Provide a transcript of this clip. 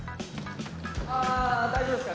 ああ大丈夫ですか？